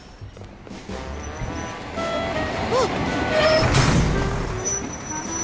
あっ！